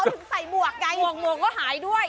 เขาถึงใส่หมวกไงโอ้โหหมวกก็หายด้วย